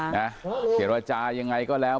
เขียนราจายังไงก็แล้ว